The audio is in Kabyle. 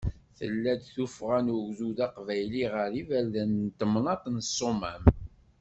Tella-d tuffɣa n ugdud aqbayli ɣer yiberdan deg temnaḍt n Ssumam.